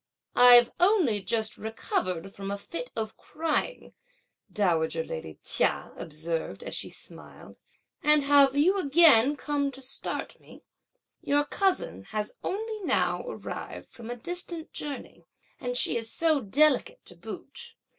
"I've only just recovered from a fit of crying," dowager lady Chia observed, as she smiled, "and have you again come to start me? Your cousin has only now arrived from a distant journey, and she is so delicate to boot!